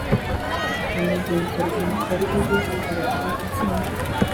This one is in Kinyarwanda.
akanagenzura imikorere y uhagarariye itsinda